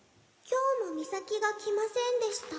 「今日もミサキが来ませんでした」